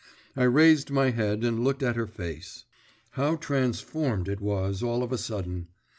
I raised my head and looked at her face. How transformed it was all of a sudden.